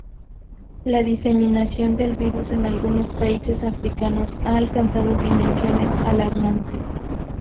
La diseminación del virus en algunos países africanos ha alcanzado dimensiones alarmantes.